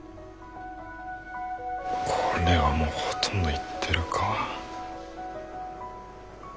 これはもうほとんど言ってるか。